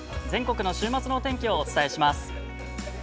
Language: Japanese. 全国の週末のお天気をお伝えします。